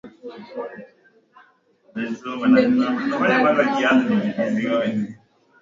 nchini afghanistan kuanzia mwaka ujao na kuyaondoa yote kufikia mwaka